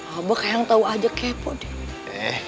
abah kayak yang tau aja kepo deh